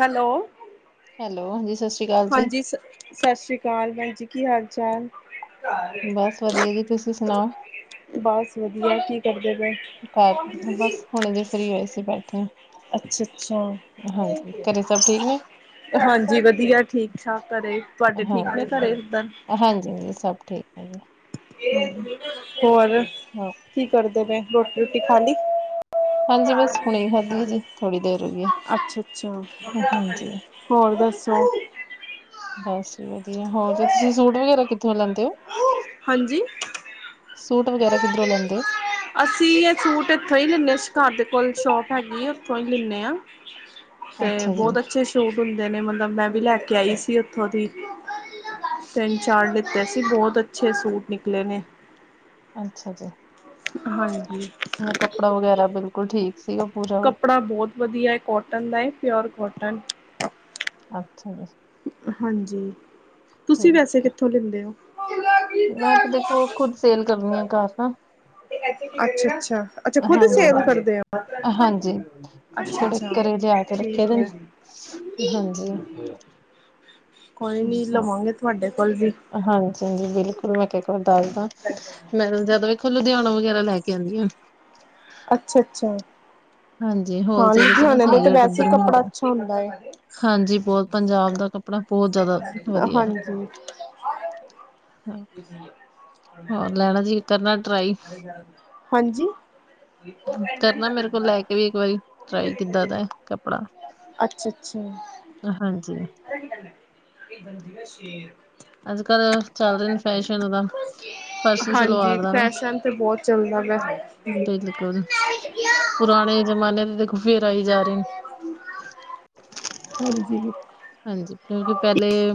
Hello hello ਹਾਂਜੀ ਸਤਿ ਸ਼੍ਰੀ ਅਕਾਲ ਜੀ ਹਾਂਜੀ ਸ ਸਤਿ ਸ਼੍ਰੀ ਅਕਾਲ ਭੈਣ ਜੀ ਕੀ ਹਾਲ ਚਾਲ ਬਸ ਵਧੀਆ ਜੀ ਤੁਸੀਂ ਸੁਣਾਓ ਬਸ ਵਧੀਆ ਕੀ ਕਰਦੇ ਪਏ ਬਸ ਹੁਣੇ ਜੇ ਫਰੀ ਹੋਏ ਸੀ ਬੈਠੇ ਹਾਂ ਅੱਛਾ ਅੱਛਾ ਹਾਂਜੀ ਘਰੇ ਸਭ ਠੀਕ ਨੇ ਹਾਂਜੀ ਵਧੀਆ ਠੀਕ ਠਾਕ ਘਰੇ ਤੁਹਾਡੇ ਠੀਕ ਨੇ ਘਰੇ ਏਧਰ? ਹਾਂਜੀ-ਹਾਂਜੀ ਸਭ ਠੀਕ ਆ ਜੀ। ਹੋਰ ਹਾਂ। ਕੀ ਕਰਦੇ ਪੈ ਰੋਟੀ ਰੁਟੀ ਖਾਲੀ? ਹਾਂਜੀ ਬਸ ਹੁਣੇ ਈ ਖਾਧੀ ਏ ਜੀ ਥੋੜੀ ਦੇਰ ਹੋ ਗਈ ਐ। ਅੱਛਾ-ਅੱਛਾ, ਹੋਰ ਦੱਸੋ? ਬਸ ਵਧੀਆ ਹੋਰ ਜੀ ਤੁਸੀਂ ਸੂਟ ਵਗੈਰਾ ਕਿੱਥੋਂ ਲੈਂਦੇ ਓ? ਹਾਂਜੀ। ਸੂਟ ਵਗੈਰਾ ਕਿਧਰੋ ਲੈਂਦੇ ਓ? ਅਸੀਂ ਇਹ ਸੂਟ ਇੱਥੋਂ ਹੀ ਲੈਂਨੇ ਹਾਂ ਘਰ ਦੇ ਕੋਲ ਸ਼ੋਪ ਹੈਗੀ ਆ ਉੱਥੋਂ ਹੀ ਲੈਂਨੇ ਹਾਂ ਹੋ ਤੇ ਅੱਛਾ ਜੀ ਬਹੁਤ ਅੱਛੇ ਸੂਟ ਹੁੰਦੇ ਨੇ ਮਤਲਬ ਮੈਂ ਵੀ ਲੈ ਕੇ ਆਈ ਸੀ ਉੱਥੋਂ ਦੀ ਤਿੰਨ ਚਾਰ ਲਿਤੇ ਸੀ ਬਹੁਤ ਅੱਛੇ ਸੂਟ ਨਿਕਲੇ ਨੇ ਅੱਛਾ ਹਾਂਜੀ। ਜੀ ਕੱਪੜਾ ਵਗੈਰਾ ਬਿਲਕੁਲ ਠੀਕ ਸੀਗਾ ਪੂਰਾ ਕੱਪੜਾ ਬਹੁਤ ਵਧੀਆ ਹੈ ਕੋਟਨ ਦਾ ਹੈ ਪਿਓਰ ਕੋਟਨ ਅੱਛਾ ਜੀ ਹਾਂਜੀ ਤੁਸੀਂ ਠੀਕ ਵੈਸੇ ਕਿੱਥੋਂ ਲੈਂਦੇ ਹੋ ਮੈਂ ਤੇ ਦੇਖੋ ਖੁੱਦ ਸੇਲ ਕਰਨੀ ਆ ਘਰ ਨਾ ਅੱਛਾ ਅੱਛਾ ਅੱਛਾ ਖੁਦ ਹਾਂਜੀ ਸੇਲ ਹਾਂਜੀ ਕਰਦੇ ਹਾਂਜੀ ਅੱਛਾ ਥੋੜੇ ਅੱਛਾ ਘਰੇ ਲਿਆ ਕੇ ਰੱਖੇ ਠੀਕ ਦੇ ਨੇ ਹੈ। ਹਾਂਜੀ ਕੋਈ ਨੀ ਲਵਾਂਗੇ ਤੁਹਾਡੇ ਕੋਲ ਵੀ। ਹਾਂਜੀ-ਹਾਂਜੀ ਬਿਲਕੁਲ ਮੈਂ ਕਹਿ ਇਕ ਵਾਰ ਦੱਸਦਾ ਮੈ ਜਿਆਦਾ ਵੇਖੋ ਲੁਧਿਆਣਾ ਵਗੈਰਾ ਲੈ ਕੇ ਆਣਦੀਆਂ। ਅੱਛਾ-ਅੱਛਾ, ਹਾਂ ਹੋਲਸੇਲ ਚ ਨਾ ਲੁਧਿਆਣੇ ਨੇ ਸਹੀ ਤੇ ਰੇਟ ਵੈਸੇ ਈ ਇੱਧਰ ਕੱਪੜਾ ਮਿਲਦੇ ਨੇ ਅੱਛਾ ਹੁੰਦਾ ਏ। ਹਾਂਜੀ ਬਹੁਤ ਪੰਜਾਬ ਦਾ ਕੱਪੜਾ ਬਹੁਤ ਜ਼ਿਆਦਾ ਵਧੀਆ। ਹਾਂਜੀ। ਹਾਂ। ਕਰਨਾ ਟਰਾਈ ਹਾਂਜੀ। ਕਰਨਾ ਮੇਰੇ ਕੋਲ ਲੈ ਕੇ ਵੀ ਇੱਕ ਵਾਰੀ ਟਰਾਈ ਕਿੱਦਾਂ ਦਾ ਕੱਪੜਾ। ਅੱਛਾ-ਅੱਛਾ। ਹਾਂਜੀ ਅੱਜ-ਕੱਲ ਚੱਲ ਰਹੇ ਨੇ ਫੈਸ਼ਨ ਦਾ ਫਰਸੀ ਹਾਂਜੀ ਸਲਵਾਰ ਦਾ। ਫੈਸ਼ਨ ਤੇ ਬਹੁਤ ਚੱਲਦਾ ਪਿਆ। ਬਿਲਕੁਲ, ਪੁਰਾਣੇ ਜਮਾਨੇ ਦੇ ਦੇਖੋ ਫੇਰ ਆਈ ਜਾ ਰਹੇ ਨੇ। ਹਾਂਜੀ। ਹਾਂਜੀ ਕਿਉਂਕਿ ਪਹਿਲੇ,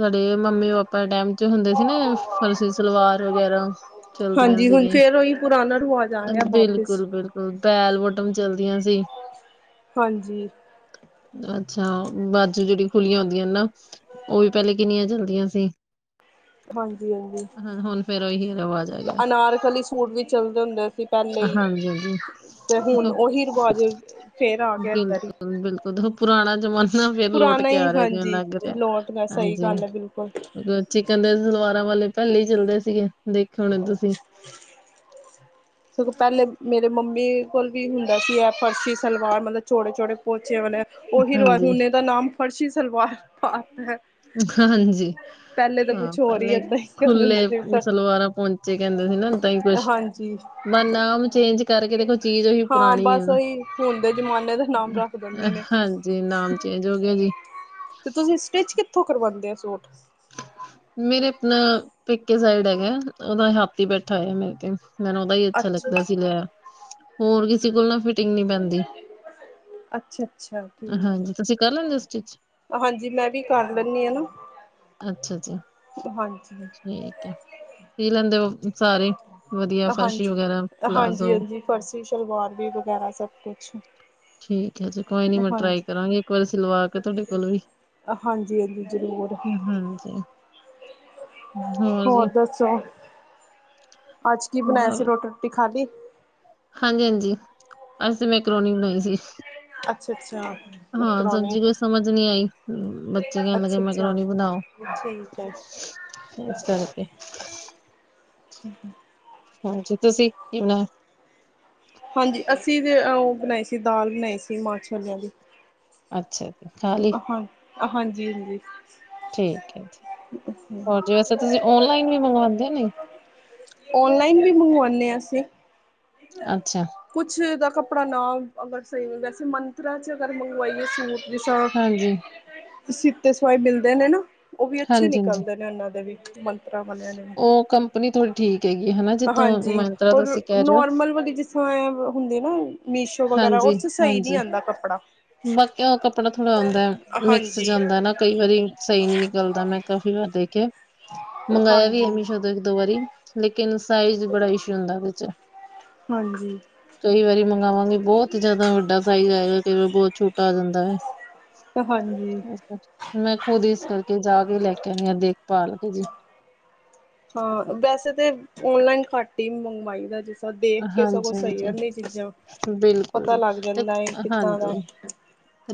ਸਾਡੇ ਮੰਮੀ ਪਾਪਾ ਟਾਈਮ 'ਚ ਹੁੰਦੇ ਸੀ ਨਾ ਫਰਸੀ ਸਲਵਾਰ ਵਗੈਰਾ ਚਲਦੀਆਂ ਹਾਂਜੀ ਹੁਣ ਸੀਗੇ, ਫੇਰ ਉਹੀ ਪੁਰਾਣਾ ਰਿਵਾਜ਼ ਆ ਰਿਹਾ ਵਾਪਿਸ ਬਿਲਕੁਲ ਬਿਲ ਬੈਲ ਵੋਟਮ ਚਲਦੀਆਂ ਸੀ। ਹਾਂਜੀ। ਅੱਛਾ। ਬਾਜੂ ਜਿਹੜੀ ਖੁੱਲੀਆਂ ਹੁੰਦੀਆਂ ਨਾ ਉਹ ਵੀ ਪਹਿਲੇ ਕਿੰਨੀਆਂ ਚਲਦੀਆਂ ਸੀ। ਹਾਂਜੀ-ਹਾਂਜੀ, ਹਾਂ ਹੁਣ ਫੇਰ ਉਹੀ ਰਿਵਾਜ ਆ ਤੇ ਗਿਆ ਅਨਾਰਕਲੀ ਸੂਟ ਵੀ ਚਲਦੇ ਹੁੰਦੇ ਸੀ। ਪਹਿਲੇ ਈ, ਹਾਂਜੀ ਹਾਂਜੀ ਤੇ ਹੁਣ ਉਹੀ ਰਿਵਾਜ ਫੇਰ ਆ ਗਿਆ ਏਧਰ ਈ। ਉਦੋਂ ਪੁਰਾਣਾ ਜਮਾਨ ਫੇਰ ਲੋਟ ਕੇ ਆ ਰਿਹਾ ਜਿਵੇਂ ਹਾਂਜੀ ਲੱਗ ਰਿਹਾ ਲੋਟ ਗਿਆ ਸਹੀ ਹਾਂਜੀ ਗੱਲ ਹੈ ਬਿਲਕੁਲ ਚਿਕਨ ਦੇ ਸਲਵਾਰਾਂ ਵਾਲੇ ਪਹਿਲੇ ਈ ਚੱਲਦੇ ਸੀਗੇ ਦੇਖੇ ਹੋਣੇ ਤੁਸੀਂ। ਸਗੋਂ ਪਹਿਲੇ ਮੇਰੇ ਮੰਮੀ ਕੋਲ ਵੀ ਹੁੰਦਾ ਸੀ ਐ ਫਰਸ਼ੀ ਸਲਵਾਰ ਮਤਲਬ ਛੋੜੇ-ਛੋੜੇ ਪੋਚੇ ਵਲੇ। ਉਹੀ ਰਿਵਾਜ਼ ਹਾਂਜੀ ਇਸਦਾ ਦਾ ਨਾਮ ਫਰਸ਼ੀ ਸਲਵਾਰ ਪਾ ਤੇਂ। ਹਾਂਜੀ ਪਹਿਲੇ ਤੋਂ ਕੁਝ ਹਾਂ ਹੋਰ ਹੀ ਪਹਿਲੇ ਤੇ ਖੁੱਲੇ ਸਲਵਾਰਾਂ ਪਹੁੰਚੇ ਕਹਿੰਦੇ ਸੀ ਨਾ ਇਦਾਂ ਹੀ ਕੁਛ ਹਾਂਜੀ ਬਸ ਨਾਮ ਚੇਂਜ ਕਰਕੇ ਦੇਖੋ ਚੀਜ਼ ਉਹੀ ਹਾਂ ਪੁਰਾਣੀ ਆ ਬਸ ਉਹੀ ਹੁਣ ਦੇ ਜ਼ਮਾਨੇ ਦਾ ਨਾਮ ਰੱਖ ਦਿੰਦੇ ਨੇ ਹਾਂਜੀ ਨਾਮ ਚੇਂਜ ਹੋ ਗਿਆ ਜੀ ਸੋ ਇਸੇ ਤੇ ਤੁਸੀਂ ਸਟਿਚ ਕਿੱਥੋਂ ਕਰਵਾਉਂਦੇ ਹੋ ਸੂਟ। ਮੇਰੇ ਆਪਣਾ ਪੇਕੇ ਸਾਈਡ ਹੈਗਾ ਉਹਨਾਂ ਨੇ ਹਾਥੀ ਬੈਠਾ ਆ ਮੇਰੇ ਤੇ ਮੈਨੂੰ ਅੱਛਾ ਲੱਗਦਾ ਸੀ ਹੋਰ ਕਿਸੇ ਕੋਲ ਨਾ ਫਿਟਿੰਗ ਨਹੀਂ ਪੈਂਦੀ। ਅੱਛਾ-ਅੱਛਾ ਠੀਕ ਹੈ ਹਾਂਜੀ ਤੁਸੀਂ ਕਰ ਲੈਦੇ ਸਟਿਚ ਹਾਂਜੀ ਮੈਂ ਵੀ ਕਰ ਲੈਨੀ ਆ ਅੱਛਾ ਅੱਛਾ ਕੀ ਲੈਂਦੇ ਹੋ। ਸਾਰੇ ਵਧੀਆ ਫਰਸ਼ੀ ਹਾਂਜੀ ਵਗੈਰਾ ਪਲਾਜ਼ੋ। ਹਾਂਜੀ-ਹਾਂਜੀ ਫਰਸੀ ਸ਼ਲਵਾਰ ਵੀ ਵਗੈਰਾ ਸਭ ਕੁਛ। ਠੀਕ ਏ ਜੀ ਕੋਈ ਨੀ ਮੈਂ ਟਰਾਈ ਹਾਂਜੀ ਕਰਾਂਗੀ ਇੱਕ ਵਾਰੀ ਸਿਲਵਾਰ ਕੋਈ ਤੁਹਾਡੇ ਕੋਲੋਂ ਵੀ। ਹਾਂਜੀ-ਹਾਂਜੀ ਜ਼ਰੂਰ। ਹਾਂਜੀ। ਹੋਰ ਦੱਸੋ, ਅੱਜ ਕੀ ਬਣਾਇਆ ਸੀ ਬਹੁਤ ਰੋਟੀ ਰੁਟੀ ਖਾਲੀ? ਹਾਂਜੀ-ਹਾਂਜੀ, ਅੱਜ ਤੇ ਮੈਂਕਰੋਨੀ ਬਣਾਈ ਸੀ। ਅੱਛਾ-ਅੱਛਾ ਹਾਂ ਮੈਕਰੋਨੀ ਸਬਜ਼ੀ ਕੋਈ ਸਮਝ ਨੀ ਆਈ ਬੱਚੇ ਕਹਿਣ ਲੱਗੇ ਅੱਛਾ-ਅੱਛਾ ਮੈਂਕਰੋਨੀ ਬਣਾਓ। ਠੀਕ ਐ। ਇਸ ਕਰਕੇ। ਠੀਕ ਏ। ਹਾਂਜੀ ਤੁਸੀਂ ਕੀ ਬਣਾਇਆ ਹਾਂਜੀ ਅਸੀਂ ਤੇ ਉਹ ਬਣਾਈ ਸੀ ਦਾਲ ਬਣਾਈ ਸੀ ਮਾਂਹ ਛੋਲਿਆਂ ਦੀ। ਅੱਛਾ ਜੀ ਖਾ ਲਈ। ਹਾਂਜੀ ਹਾਂਜੀ ਠੀਕ ਹ ਜੀ ਔਰ ਜੈਸੇ ਤੁਸੀਂ ਆਨਲਾਈਨ ਵੀ ਮੰਗਵਾਉਂਦੇ ਨੇ ਕੇ ਨਹੀਂ। ਆਨਲਾਈਨ ਵੀ ਮੰਗਵਾਉਂਦੇ ਆ ਅਸੀਂ। ਅੱਛਾ ਕੁਛ ਦਾ ਕੱਪੜਾ ਨਾ ਵੈਸੇ ਮੰਤਰਾ ਚ ਅਗਰ ਮੰਗਵਾਈਏ ਹਾਂਜੀ ਮਿਲਦੇ ਨੇ ਨਾ ਉਹ ਵੀ ਅੱਛੇ ਹਾਂਜੀ-ਹਾਂਜੀ ਨਿਕਲਦੇ ਨੇ ਇਹਨਾਂ ਦੇ ਵੀ ਮੰ ਉਹ ਕੰਪਨੀ ਥੋੜੀ ਠੀਕ ਹੈਗੀ ਹਨਾ ਜਿਥੋਂ ਹਾਂਜੀ ਮੈਨੂੰ ਤਾਂ ਔਰ ਤੁਸੀਂ ਕਹਿ ਰਹੇ ਹੋ ਨੋਰਮਲ ਸਹੀ ਨਹੀਂ ਹਾਂਜੀ-ਹਾਂਜੀ ਆਂਦਾ ਕੱਪੜਾ ਬਾਕੀ ਕੱਪੜਾ ਥੋੜ੍ਹਾ ਆਉੁੰਦਾ ਮਿਕਸ ਹਾਂਜੀ ਜਾਂਦਾ ਨਾ ਕਈ ਵਾਰੀ ਸਹੀ ਨਹੀਂ ਨਿਕਲਦਾ ਮੈਂ ਤਾਂ ਫਿਰ ਦੇਖਿਆ ਮੰਗਾਇਆ ਵੀ ਹਾਂਜੀ ਅਮਿਤੋ ਵਾਰੀ ਲੇਕਿਨ ਸਾਈਜ਼ ਬੜਾ ਇਸ਼ੂ ਹੁੰਦਾ ਵਿੱਚ ਹਾਂਜੀ ਕਈ ਵਾਰੀ ਮੈਂ ਬਹੁਤ ਜਿਆਦਾ ਵੱਡਾ ਸਾਈਜ਼ ਆਏਗਾ ਕਿਵੇਂ ਬਹੁਤ ਛੋਟਾ ਆ ਜਾਂਦਾ ਹਾਂਜੀ ਮੈਂ ਖੁਦ ਇਸ ਕਰਕੇ ਜਾ ਵੀ ਲੈ ਕੇ ਆਉਦੇ ਆਂ ਦੇਖਭਾਲ ਵੈਸੇ ਤੇ ਆਨਲਾਈਨ ਫੱਟੀ ਮੁੰਬਈ ਦਾ ਤਾਂ ਦੇਖ ਕੇ ਸਗੋਂ ਹਾਂਜੀ ਸਹੀ ਹਾਂਜੀ ਆਦੀ ਚੀਜ਼ਾਂ ਬਿਲਕੁਲ ਪਤਾ ਜੀ ਲੱਗ ਤੇ ਜਾਂਦਾ ਕਿੱਦਾਂ ਦਾ ਹਾਂਜੀ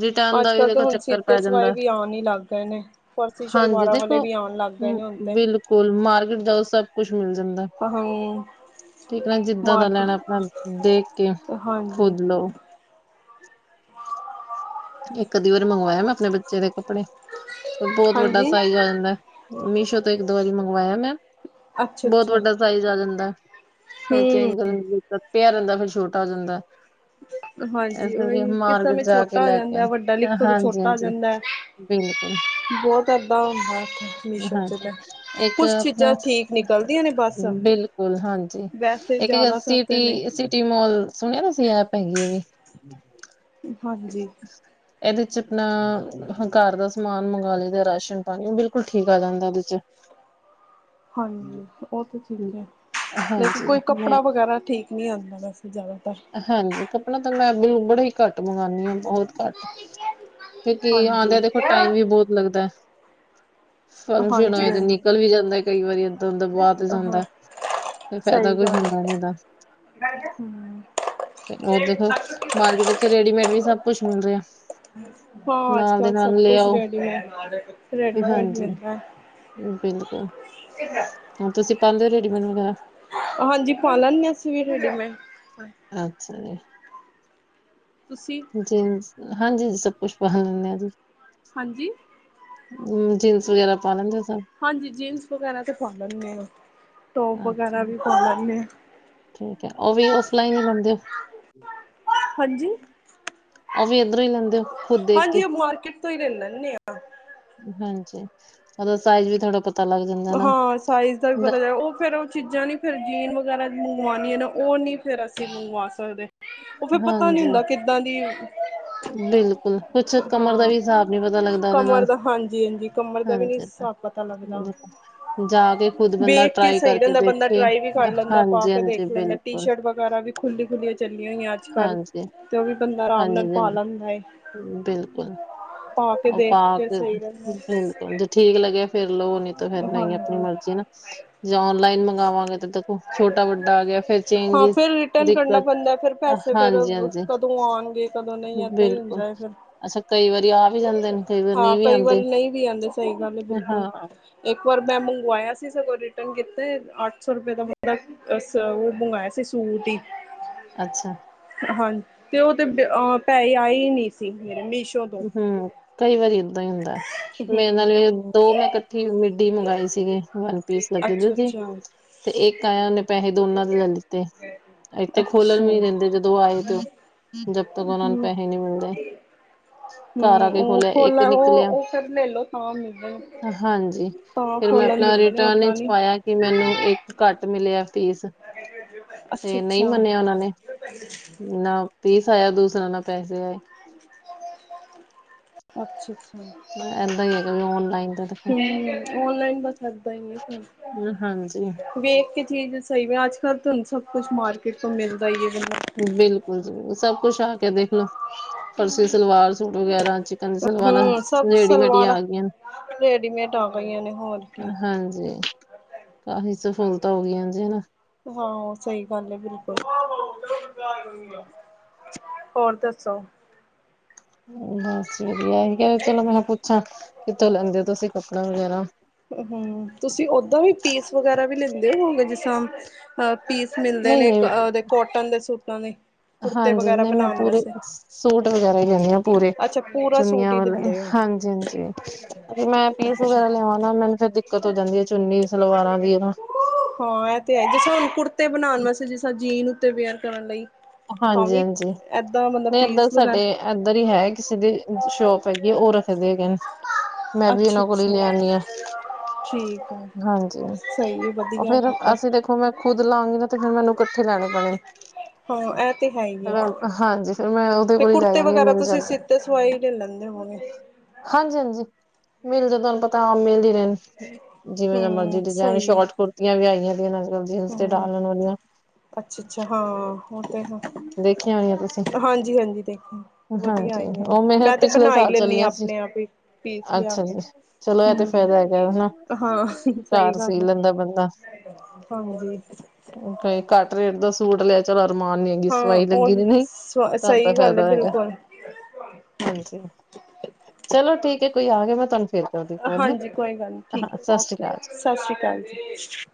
ਰਿਟਰਨ ਅੱਜ ਦਾ ਵੀ ਕੱਲ ਤੇ ਦੇਖੋ ਹੁਣ ਚੱਕਰ ਪੈ ਸੀਤੇ ਸਿਵਾਏ ਜਾਂਦਾ ਵੀ ਆਨ ਹੀ ਲੱਗ ਰਹੇ ਨੇ ਫਾਰਸੀਅਲ ਵਾਲੇ ਵੀ ਆਉਣ ਲੱਗ ਗ ਨ ਹੁੰ ਤੇ ਗੋਲ ਮਾਰਕ ਦਾ ਸਭ ਕੁਝ ਮਿਲ ਜਾਂਦਾ ਹਾਂ ਦਾ ਮਾਰਕੀਟ ਲੈਣ ਆਪਣਾ ਦੇਖ ਕੇ ਹਾਂਜੀ ਖੁਦ ਇੱਕ ਦੀ ਵਰ ਮੰਗਵਾਇਆ ਮਤਲਬ ਬੱਚੇ ਦੇ ਕੱਪੜੇ ਤੁਹਾਡਾ ਹਾਂਜੀ ਸਾਈਜ਼ ਆ ਜਾਂਦਾ ਆਇਆ ਮੈਂ ਅੱਛਾ ਬਹੁਤ ਅੱਛਾ ਵੱਡਾ ਸਾਈਜ਼ ਆ ਜਾਂਦਾ ਹਮ ਪਿਆਰਾ ਦਾ ਛੋਟਾ ਹੋ ਜਾਂਦਾ ਹਾਂਜੀ ਉਹੀ ਕਿਸ ਮਾਰਗ ਸਮੇਂ ਜਾ ਕੇ ਛੋਟਾ ਲੈ ਕੇ ਆ ਜਾਂਦਾ ਵੱਡਾ ਲਿਖੋ ਤਾਂ ਛੋਟਾ ਆ ਜਾਂਦਾ ਹੈ ਬਿਲਕੁਲ ਬਹੁਤ ਏਦਾਂ ਹੁੰਦਾ ਮੀਸ਼ੋ ਚ ਹਾਂਜੀ, ਤਾਂ ਇੱਕ ਕੁਛ ਆਪਣਾ ਚੀਜ਼ਾਂ ਠੀਕ ਨਿਕਲਦੀਆਂ ਨੇ ਬਸ ਬਿਲ ਿਲੁਲ ਹਾਂਜੀ ਵੈਸੇ ਇੱਕ ਜ਼ਿਆਦਾਤਰ ਤਾਂ ਸਿਟੀ ਨਹੀਂ ਸਿਟੀ ਮੋਲ ਸੁਣਿਆ ਤੁਸੀਂ ਐਪ ਹੈਗੀ ਹੈ ਵੀ ਹ ਹਾਂਜੀ [inaudible] ਇਹਦੇ ਚ ਆਪਣਾ ਘਰ ਦਾ ਸਮਾਨ ਮੰਗਾ ਲਈ ਦਾ ਰਾਸ਼ਨ ਪਾਣੀ ਬਿਲਕੁਲ ਠੀਕ ਆ ਜਾਂਦਾ ਇਹਦੇ ਚ। ਹਾਂਜੀ ਉਹ ਤਾਂ ਠੀਕ ਆ ਲੇਕਿਨ ਹਾਂਜੀ ਕੋਈ ਮੈਂ ਕੱਪੜਾ ਵਗੈਰਾ ਠੀਕ ਨਹੀਂੀ ਆਉਂਦਾ ਵੈਸੇ ਜ਼ਿਆਦਾਤਰ ਹਾਂਜੀ ਕੱਪੜਾ ਤਾਂ ਮੈਂ ਬ ਬੜਾ ਹੀ ਘੱਟ ਮੰਗਵਾਉਦੀ ਹਾਂ ਬਹੁਤ ਘੱਟ ਕਿਉਂਕਿ ਹਾਂਜੀ, ਆਉਂਦਿਆਂ ਦੇਖੋ ਟਾਈਮ ਵੀ ਬਹੁਤ ਲੱਗਦਾ ਸਰ ਹਾਂਜੀ, ਸੁਣਾਏ ਤੇ ਹਾਂਜੀ। ਨਿਕਲ ਵੀ ਜਾਂਦਾ ਕਈ ਵਾਰੀ ਅੰਦਰ ਵਾ ਤੇ ਆਹ ਜਾਂਦਾ ਇਹ ਫਾਇਦਾ ਸਹੀ ਕੁਝ ਗੱਲ ਹੁੰਦਾ ਹੈ, ਹੂੰ। ਮਾਰਗ ਵਿੱਚ ਰੈਡੀਮੇਡ ਵੀ ਸਭ ਕੁਝ ਮਿਲ ਰਿਹਾ ਹਾਂ ਅੱਜ ਨਾਲ ਦੇ ਕਲ ਸਭ ਨਾਲ ਲੈ ਕੁਝ ਆਓ ਰੈਡੀ ਮੇ ਰੈਡੀ ਹਾਂਜੀ ਬਿਲਕੁਲ ਹੁਣ ਤੁਸੀਂ ਪਾਉਂਦੇ ਹੋ ਰੇਡੀਮੇਡ ਵਗੈਰਾ ਹਾਂਜੀ ਪਾ ਲੈਣਗੇ ਸਵੇਰੇ ਅੱਛਾ ਜੀ ਤੁਸੀਂ ਸ ਹਾਂਜੀ ਹਾਂਜੀ ਜਿਨਸ ਵਗੈਰਾ ਪਾ ਲੈਂਦੇ ਸ ਜੀ ਹਾਂਜੀ ਜੀ ਤੋ ਅੱਛਾ ਵਗੈਰਾ ਵੀ ਪਤਾ ਨਹੀਂ ਠੀਕ ਹ ਉਹ ਵੀ ਉਸ ਲਾਈਨ ਹਾਂਜੀ, ਉਹ ਵੀ ਇੱਧਰੋਂ ਹੀ ਲੈਂਦੇ ਹੋ ਖੁਦ ਦੇਖ ਕੇ ਹਾਂਜੀ ਉਹ ਮਾਰਕੀਟ ਤੋਂ ਹੀ ਲੈ ਲੈਂਦੇ ਹਾਂ ਹਾਂਜੀ ਉਹਦਾ ਸਾਈਜ਼ ਵੀ ਥੋੜ੍ਹਾ ਪਤਾ ਲੱਗ ਜਾਂਦਾ ਨਾ ਹਾਂ ਸਾਈਜ਼ ਦਾ ਵੀ ਪਤਾ ਦ- ਲ ਉਹ ਫੇਰ ਚੀਜ਼ਾਂ ਨੀ ਫਿਰ ਜੀਨ ਵਗੈਰਾ ਮੰਗਵਾਉਣ ਨੇ, ਉਹ ਨੀ ਫ਼ਿਰ ਅਸੀਂ ਮੰਗਵਾ ਸਕਦੇ ਉਹ ਫਿਰਰ ਪਤਾ ਨਹੀਂ ਹਾਂਜੀ ਹੁੰਦਾ ਕਿੱਦਾਂ ਦੀ ਹਾਂ ਬਿਲਕੁਲ ਕੁਛ ਕਮਰ ਦਾ ਵੀ ਹਿਸਾਬ ਨੀ ਪਤਾ ਲੱਗਦਾ ਉਹਦੇ ਕਮਰ ਨਾਲ ਦਾ ਹਾਂਜੀ ਹਾਂਜੀ ਕਮਰ ਦਾ ਵੀ ਨੀ ਹਾਂਜੀ ਸਾ ਪਤਾ ਲੱਗਦਾ ਬਿਲਕੁਲ, ਜਾ ਕੇ ਖੁਦ ਬੰਦਾ ਵੇਖ ਕੇ ਟਰਾਈ ਸਹੀ ਕਰਕੇ ਰਹਿੰਦਾ ਬੰਦਾ ਦੇਖੇ ਟਰਾਈ ਵੀ ਕਰ ਲੈਂਦਾ ਪਾ ਹਾਂਜੀ ਕੇ ਹਾਂਜੀ ਦੇਖ ਲੈਂਦਾ ਟੀ ਬਿਲਕੁਲ ਸ਼ਰਟ ਵਗੈਰਾ ਵੀ- ਖੁੱਲੀ ਖੁੱਲੀਆਂ ਚੱਲੀਆਂ ਨੇ ਅੱਜ ਕੱਲ ਹਾਂਜੀ ਤੇ ਉਹ ਵੀ ਬੰਦਾ ਆਰਾਮ ਹਾਂਜੀ ਨਾਲ ਪਾ ਹਾਂਜੀ ਲੈਂਦਾ ਏ। ਬਿਲਕੁਲ, ਪਾ ਕੇ ਉਹ ਦੇਖ ਕੇ ਪਾਕੇ ਸਹੀ ਰਹਿੰਦਾ ਜੇ ਠੀਕ ਲੱਗਿਆ ਫੇਿਰ ਲੋਓ ਨੀ ਤਾਂ ਫੇਿਰ ਨ ਆਪਣੀ ਹਾਂਜੀ ਮਰਜ਼ੀ ਨਾ ਜੇ ਔਨਲਾਈਨ ਮੰਗਵਾਵਾਂਗੇ ਤੇ- ਉਹ ਛੋਟਾ ਵੱਡਾ ਆ ਗਿਆ ਫਿਰ ਚੇਂਜ ਹਾਂ ਫੇਰ ਰਿਟਰਨ ਕਰਨਾ ਦਿੱਕਤ, ਪੈਂਦਾ ਫੇਰ ਪੈਸੇ ਫੇਰ ਹਾਂਜੀ ਹਾਂਜੀ। ਕਦੋਂ ਆਉਣਗੇ ਕਦੋਂ ਨਹੀਂ ਏਦਾਂ ਹੀ ਬਿਲਕੁਲ, ਹੁੰਦਾ ਹੈ ਫੇਰ ਅੱਛਾ ਕਈ ਵਾਰੀ ਆ ਵੀ ਜਾਂਦੇ ਨੇ ਕਈ ਵਾਰ ਹਾਂ ਨਹੀਂ ਵੀ ਕਈ ਆਉਂਦੇ ਵਾਰੀ ਨਹੀਂ ਵੀ ਆਂਦੇ ਸਹੀ ਗੱਲ ਬਿਲਕੁਲ ਹਾਂ ਇੱਕ ਵਾਰ ਮੈਂ ਮੰਗਵਾਇਆ ਸੀ ਸਗੋਂ ਰਿਟਰਨ ਕੀਤੇ ਅੱਠ ਸੌ ਰੁਪਏ ਦਾ ਬਨਦਾ- ਅ ਉਹ ਮੰਗਵਾਇਆ ਸੀ ਸੂਟ ਹੀ ਅੱਛਾ- ਹਾਂਜੀ ਤੇ ਉਹ ਤੇਹ ਪੈ ਆਏ ਨਹੀਂ ਸੀ ਮੇਰੇ ਮੀਸ਼ੋ ਤੋਂ। ਹਮ, ਕਈ ਵਾਰੀ ਏਦਾਂ ਹੀ ਹੁੰਦਾ ਹੈ। ਮੇਰੇ ਨਾਲ ਹੂੰ। ਦੋ ਮੈਂ ਇਕੱਠੀ ਮਿੱਡੀ ਮੰਗਈ ਸੀਗੀ ਵਨ ਪੀਸ ਲੱਗੇ ਦੇ ਸੀ- ਹਹ ਤੇ ਇੱਕ ਆਇਆ ਉਹਨੇ ਪੈਸ ਦੋਨਾਂ ਦੇ ਲੈ ਲ ਤੇ ਇੱਥ ਖੋਲਣ ਅੱਛਾ। ਵੀ ਦੇਂਦੇ ਜਦੋਂ ਆਏ ਤੇ, ਜਦ ਤੱਕ ਉਹਨਾ ਨੂੰ ਪੈਸੇ ਨੀ ਮਿਲਦੇ। ਘਰ ਆ ਹਮ, ਕੇ ਉਹ ਖੋਲਿਆ ਖੋਲ ਇੱਕ ਉਹ ਨਿਕਲਿਆ ਉਹ ਫਿਰ ਲੈਲੋ ਤਾਂ ਮਿਲ ਦੇ ਨੇ- ਹਾਂਜੀ। ਤਾਂ ਫਿਰ ਮੈਂ ਖੋਲਣ ਆਪਣਾ ਦਿੰਦੇ ਨੇ ਰਿਟਰਨ ਓਦਾਂ ਵਿੱਚ ਨੀ ਪਾਇਆ। ਕਿ ਮੈਨੂੰ ਇੱਕ ਘੱਟ ਮਿਲਿਆ ਪੀਸ- ਤੇ ਨਹੀਂ ਅੱਛਾ-ਅੱਛਾ। ਮੰਨਿਆ ਉਹਨਾਂ ਨੇ, ਨਾ ਪੀਸ ਆਇਆ, ਦੂਸਰਿਆ ਨਾਲ ਪੈਸੇ ਆਏ। ਅੱਛਾ। ਏਦਾਂ ਹੀ ਹੈਗਾ ਵੀ ਔਨਲਾਈਨ ਦਾ ਤਾਂ ਹਮ, ਔਨਲਾਈਨ ਬਸ ਏਦਾ ਹੀ ਫਿਰ। ਹਾਂਜੀ। ਵੇਖ ਕੇ ਚੀਜ਼ ਸਹੀ ਵ ਅੱਜ ਕੱਲ੍ਹ ਤੁਹਾਨੂੰ ਸਭ ਕੁਛ ਮਾਰਕੀਟ ਤੋਂ ਮਿਲਦਾ ਹੀ ਹੈ ਬੰਦਾ ਬਿਲਕੁਲ ਜੁ ਸਭ ਕੁਛ ਆ ਕੇ ਦੇਖਲੋ, ਫਰਸੀ ਸਲਵਾਰ ਸੂਟ ਵਗੈਰਾ ਚ ਕਹਿੰਦੀ, ਸਲਵਾਰਾਂ ਹੂੰ ਸਭ ਰੇਡੀ ਮੇਡ ਸਲਵਾਰਾਂ ਆ ਗਈਆਂ ਨੇ ਰੇਡੀਮੇਡ ਆ ਗਈਆਂ ਨੇ ਹੋਰ ਵੀ ਹਾਂਜੀ ਕਾਫ਼ੀ ਸਫੂਲਤਾਂ ਹੋ ਗਈਆਂ ਜੀ ਹਨਾ, ਹਾਂ ਸਹੀ ਗੱਲ ਹੈ ਬਿਲਕੁਲ ਹੋਰ ਦੱਸੋ, ਬਸ ਵਧੀਆ ਕ ਚਲੋ ਮੈਂ ਪੁੱਛਾਂ ਕਿੱਥੋਂ ਲੈਂਦੇ ਹੋ ਤੁਸੀਂ ਕੱਪੜਾ ਵਗੈਰਾ ਹਮ, ਤੁਸੀਂ ਓਦਾਂ ਵੀ ਪੀਸ ਵਗੈਰਾ ਵੀ ਲੈਂਦੇ ਹੋ ਹੋਗੇ ਜਿਸ ਤਰਾ ਅ ਪੀਸ ਮਿਲਦੇ ਨਹੀਂ ਨੇ ਨਹੀਂ ਉਹਦੇ ਕੋਟਨ ਦੇ ਸੂਟਾਂ ਦੇ, ਕੁੜਤੇ ਹਾਂਜੀ, ਵਗੈਰਾ ਨਹੀਂ ਮੈਂ ਬਣਾਉਣ ਪੂਰੇ ਵਾਸਤੇ ਸੂਟ ਵਗੈਰਾ ਹੀ ਲਦੀ ਹਾਂ ਪੂਰੇ ਅੱਛਾ ਪੂਰਾ ਸੂਟ ਚੁਨੀਆਂ ਹੀ ਵਾਲੇ, ਦਿੰਦੇ ਹੋ ਹਾਂਜੀ ਹਾਂਜੀ। ਮੈਂ ਪੀਸ ਅੱਛਾ ਵਗੈਰਾ ਲਿਆਵ ਨਾ ਮੈਨੂੰ ਫੇਰ ਦਿੱਕਤ ਹੋ ਜਾਂਦੀ ਹੈ ਚੁੰਨੀ ਸਲਵਾਰਾਂ ਦੀ ਤਾਂ- ਹਾਂ ਇਹ ਤੇ ਹੈ ਜ ਹੁਣ ਕੁੜਤੇ ਬਣਾਉਣ ਵੈਸੇ ਜਿਸ ਤਰਾਂ ਜੀਨ ਉੱਤੇ ਵਿਅਰ ਕਰਨ ਲਈ ਤਾਂ ਹਾਂਜੀ ਵੀ ਹਾਂਜੀ, ਏਦਾਂ ਮਤਲਬ ਨਹੀਂ ਇਏਦਾਂ ਪੀਸ ਵਗੈਰਾ ਸਾਡੇ ਇਏਧਰ ਹੀ ਹੈ ਕਿਸੇ ਦੀ, ਸ਼ੋਪ ਹੈਗੀ ਹੈ ਉਹ ਰੱਖਦੇ ਹੈਗੇ ਨੇ। ਮੈਂ ਵੀ ਅੱਛਾ ਇਹਨਾਂ ਕੋਲ ਅੱਛਾ ਲਿਆਨੀਂ ਆ ਠੀਕ। ਹੈ ਹਾਂਜੀ, ਸਹੀ ਹੈ ਉਹ ਵਧੀਆ ਫੇਰ ਫਿਰ ਤੇ ਅਸੀਂ ਦੇਖੋ ਮੈਂ ਖੁੱਦ ਲਾਗੀ ਨਾ ਤੇ ਫਿਰ ਮੈਨੂੰ ਇਕੱਠੇ ਲੈਣੇ। ਪੈਣੇ, ਹਾਂ ਇਹ ਤੇ ਹੈ ਹੀ ਫੇਰ ਹੈ ਮੈਂ ਹਾਂਜੀ ਫੇਰ ਮੈਂ ਉਹਦੇ ਤੇ ਕੋਲ ਹੀ ਲੈ ਕੁੜਤੇ ਜਾਂਣੀ ਹ ਵਗੈਰਾ ਮਿਲ ਤੁਸੀਂ ਜਾਂਦੇ। ਸਿੱਤੇ ਸਵਾਈ ਲੈ ਲੈਂਦੇ ਹੋ ਹੋਣੇ। ਹਾਂਜੀ ਹਾਂਜੀ, ਮਿਲ ਜਾ ਤੁਹਾਨੂੰ ਪਤਾ ਹਾਂ ਮਿਲਦੀ ਰਹਿਣ ਜਿਵੇਂ ਦੇ ਮਰਜ਼ੀ ਹਮ ਡਿਜ਼ਾਇਨ ਸਹੀ ਹੈ ਸ਼ੋਟ ਕੁੁਰਤੀਆਂ ਵੀ ਆਈਆਂ ਦੇ ਨਾਲ- ਹਮ, ਅੱਛਾ ਅੱਛਾ ਹਾਂ, ਉਹ ਤਾਂ ਨਾ ਦੇਖੀਆਂ ਹੋਣੀਆਂ ਤੁਸੀਂ ਹਾਂਜੀ ਹਾਂਜੀ ਦੇਖੋ, ਵਧੀਆ ਹਾਂਜੀ ਆਈ ਆ ਉਹ ਮੇਰੇ ਮੈਂ ਤੇ ਪਿਛਲੇ ਬਣਾਈ ਸਾਲ ਲੈਂਦੀ ਚਲੀਆਂ ਹਾਂ ਸੀ ਆਪਣੇ ਆਪ ਹੀ। ਪੀਸ ਲਿਆ ਅੱਛਾ ਕੇ ਜੀ ਚਲੋ ਇਹ ਤੇ ਫਾਇਦਾ ਹਮ ਹੈਗਾ ਹਨਾ। ਹਾਂ ਸਹੀ ਘਰ ਸੀ ਗੱਲ ਹੈ। ਲੈਂਦਾ ਬੰਦਾ ਹਾਂਜੀ। ਕਈ ਘੱਟ ਰੇਟ ਦਾ ਸੂਟ ਲਿਆ ਚਲੋ ਅਰਮਾਨ ਨੀ ਹਾਂ ਦਵਾਈ ਲੱਗੀ ਉਹੀ ਨ ਨਹੀਂ ਸ ਤੁਹਾਨੂੰ ਤਾਂ ਸਹੀ ਗੱਲ ਹੈ ਫਾਇਦਾ ਹੋਏਗਾ। ਬਿਲਕੁਲ ਹਾਂਜੀ ਚਲੋ ਠੀਕ ਹੈ ਕੋਈ ਆ ਗਿਆ ਮੈਂ ਤੁਹਾਨੂੰ। ਫਿਰ ਤੁਹਾਡੇ ਕੋਲ ਹੈ ਹਾਂਜੀ ਕੋਈ ਗੱਲ ਨਹੀਂ ਠੀਕ ਹਾਂ ਹੈ ਸਤਿ ਸ੍ਰੀ ਓਕੇ ਅਕਾਲ ਜੀ। ਸਤਿ ਸ਼੍ਰੀ ਅਕਾਲ ਜੀ।